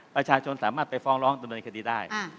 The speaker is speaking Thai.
ประชาชนสามารถไปฟ้องร้องดำเนินคดีได้